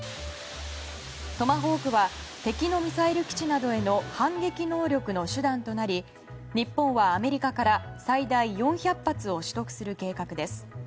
トマホークは敵のミサイル基地などへの反撃能力の手段となり日本はアメリカから最大４００発を取得する計画です。